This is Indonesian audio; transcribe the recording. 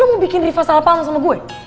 lo mau bikin riva salah paham sama gue